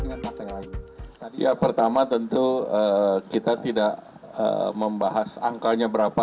ya pertama tentu kita tidak membahas angkanya berapa